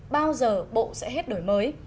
bao giờ bộ sẽ hết đổi mới